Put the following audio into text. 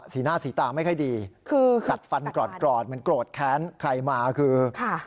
สีหน้าสีตาไม่ค่อยดีคือกัดฟันกรอดเหมือนโกรธแค้นใครมาคือค่ะ